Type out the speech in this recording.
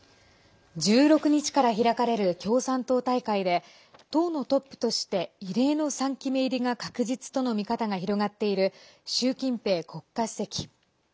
１６日から開かれる共産党大会で党のトップとして異例の３期目入りが確実との見方が広がっている習近平国家主席。